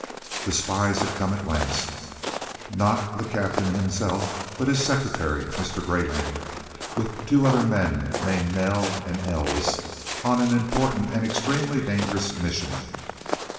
The spies had come at last, not the Captain himself, but his secretary, Mr. Greyling, with two other men named Nel and Els, on an important and extremely dangerous mission.